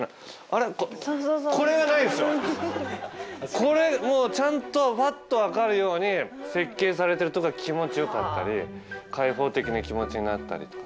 これをちゃんとパッと分かるように設計されてるところが気持ちよかったり開放的な気持ちになったりとか。